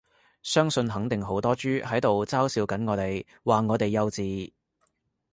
相信肯定好多豬喺度嘲笑緊我哋，話我哋幼稚